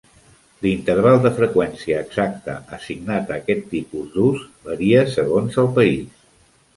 L'interval de freqüència exacte assignat a aquest tipus d'ús varia segons el país.